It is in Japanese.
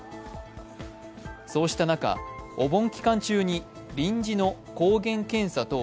そうした中、お盆期間中に臨時の抗原検査等